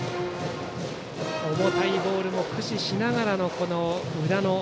重たいボールも駆使しながら。